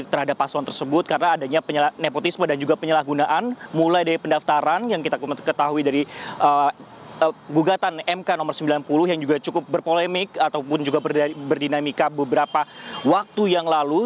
karena ada pasangan tersebut karena adanya nepotisme dan juga penyalahgunaan mulai dari pendaftaran yang kita ketahui dari gugatan mk nomor sembilan puluh yang juga cukup berpolemik ataupun juga berdinamika beberapa waktu yang lalu